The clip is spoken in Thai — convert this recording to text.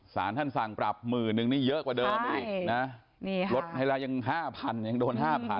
สารท่านสั่งปรับหมื่นนึงนี่เยอะกว่าเดิมอีกลดให้ลายัง๕๐๐๐บาท